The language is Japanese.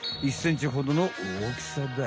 １ｃｍほどのおおきさだ。